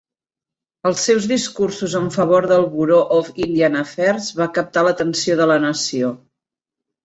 Els seus discursos en favor del Bureau of Indian Affairs va captar l'atenció de la nació.